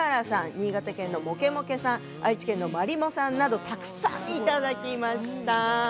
新潟県の、もけもけさん愛知県の、まりもさんなどたくさんいただきました。